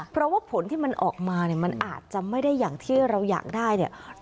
เพราะว่าผลที่มันออกมาเนี่ยมันอาจจะไม่ได้อย่างที่เราอยากได้เนี่ย